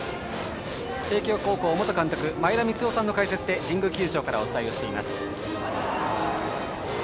帝京高校元監督前田三夫さんの解説で神宮球場からお伝えをしています。